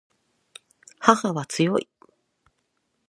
母は強い